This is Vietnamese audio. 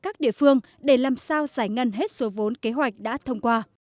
các địa phương để làm sao giải ngân hết số vốn kế hoạch đã thông qua